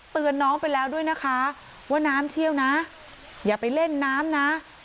เตือนน้องไปแล้วด้วยนะคะว่าน้ำเชี่ยวนะอย่าไปเล่นน้ำนะ